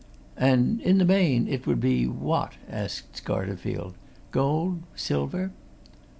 "And, in the main, it would be what?" asked Scarterfield. "Gold, silver?"